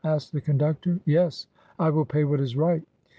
*' asked the conductor. "Yes, I will pay what is right."